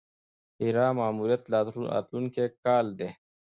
هیرا ماموریت راتلونکی کال دی.